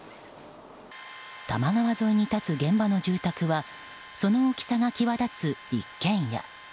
多摩川沿いに立つ現場の住宅はその大きさが際立つ１軒家。